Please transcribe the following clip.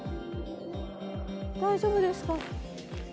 大丈夫ですか。